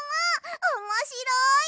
おもしろい！